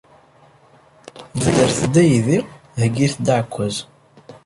Bedret-d aydi, heyyit-d aɛekkaz.